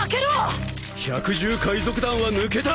百獣海賊団は抜けた！